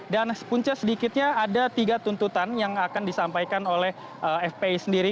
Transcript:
dan punca sedikitnya ada tiga tuntutan yang akan disampaikan oleh fp sendiri